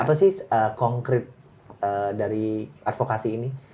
apa sih konkret dari advokasi ini